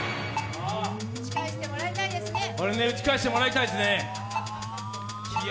これ打ち返してもらいたいですね。